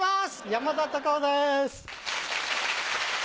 山田隆夫です。